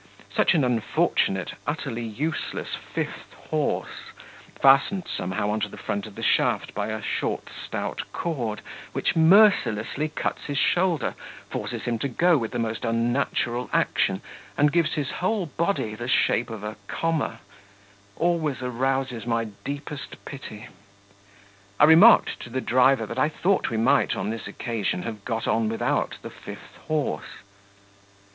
Such an unfortunate, utterly useless, fifth horse fastened somehow on to the front of the shaft by a short stout cord, which mercilessly cuts his shoulder, forces him to go with the most unnatural action, and gives his whole body the shape of a comma always arouses my deepest pity. I remarked to the driver that I thought we might on this occasion have got on without the fifth horse....